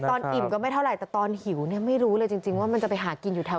อิ่มก็ไม่เท่าไหร่แต่ตอนหิวเนี่ยไม่รู้เลยจริงว่ามันจะไปหากินอยู่แถว